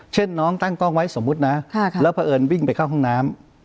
เช่นน้องตั้งกล้องไว้สมมุตินะแล้วเพราะเอิญวิ่งไปเข้าห้องน้ำ